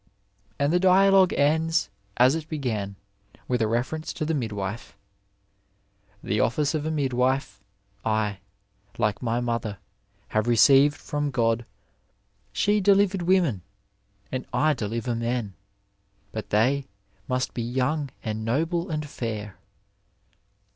And the dialogue ends as it began with a reference to the midwife :*^ The office of a midwife I, like my mother, have received from God ; she delivered women, and I deliver men ; but they must be young and noble and fair."